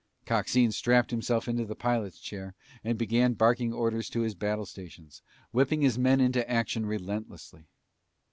Coxine strapped himself in the pilot's chair and began barking orders to his battle stations, whipping his men into action relentlessly.